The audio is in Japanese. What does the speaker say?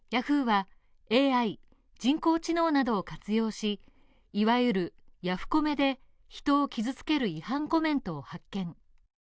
ヤフーは、ＡＩ、人工知能などを活用し、いわゆるヤフコメで人を傷つける違反コメントを発見。